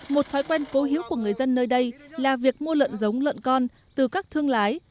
một thói quen cố hiếu của người dân nơi đây là việc mua lợn giống lợn con từ các thương lái